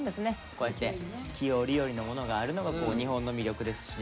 こうやって四季折々のものがあるのが日本の魅力ですし。